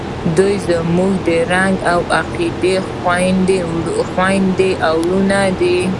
دوئ زموږ د رنګ او عقیدې خویندې او ورونه دي.